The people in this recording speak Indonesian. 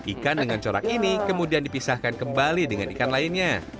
ikan dengan corak ini kemudian dipisahkan kembali dengan ikan lainnya